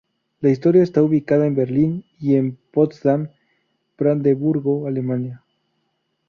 La historia está ubicada en Berlín y en Potsdam, Brandeburgo, Alemania.